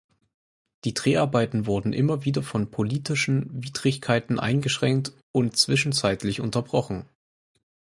Die Dreharbeiten wurden immer wieder von politischen Widrigkeiten eingeschränkt und zwischenzeitlich unterbrochen.